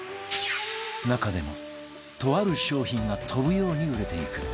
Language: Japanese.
中でもとある商品が飛ぶように売れていく